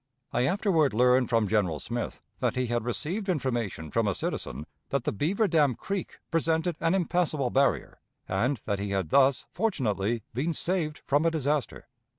I afterward learned from General Smith that he had received information from a citizen that the Beaver dam Creek presented an impassable barrier, and that he had thus fortunately been saved from a disaster.